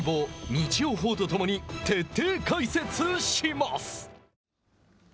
日曜鵬とともに徹底解説します。